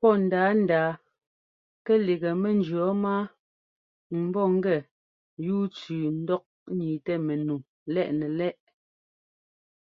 Pɔ́ ndǎandǎa kɛ lígɛ mɛnjʉ̈ɔɔ máa m bɔ́ gɛ yúu tsʉʉ ńdɔk ńniitɛ mɛnu lɛꞌ nɛ lɛʼ.